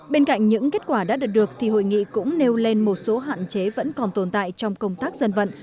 bên cạnh những kết quả đã được được thì hội nghị cũng nêu lên một số hạn chế vẫn còn tồn tại trong công tác dân vận